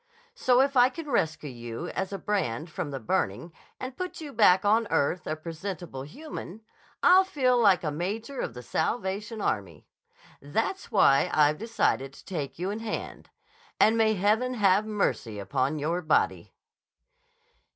So if I can rescue you as a brand from the burning and put you back on earth, a presentable human, I'll feel like a major of the Salvation Army. That's why I've decided to take you in hand. And may Heaven have mercy upon your body!"